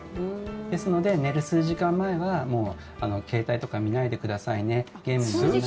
ですので、寝る数時間前は携帯とか見ないでくださいねゲームも。